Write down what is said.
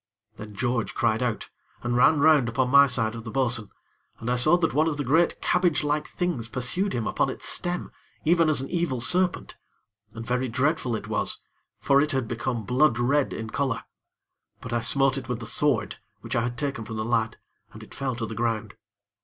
Then George cried out, and ran round upon my side of the bo'sun, and I saw that one of the great cabbage like things pursued him upon its stem, even as an evil serpent; and very dreadful it was, for it had become blood red in color; but I smote it with the sword, which I had taken from the lad, and it fell to the ground.